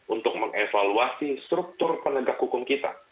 untuk mengevaluasi struktur penegak hukum kita